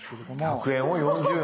１００円を４０年。